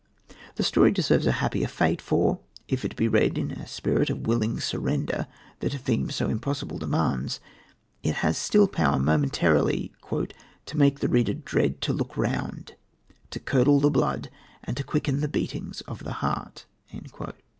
The story deserves a happier fate, for, if it be read in the spirit of willing surrender that a theme so impossible demands, it has still power momentarily "to make the reader dread to look round, to curdle the blood and to quicken the beatings of the heart."